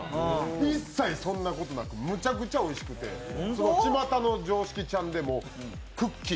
一切そんなことなくてむちゃくちゃおいしくて、「ちまたのジョーシキちゃん」でもくっきー！